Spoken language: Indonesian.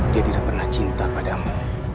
dia tidak pernah cinta padamu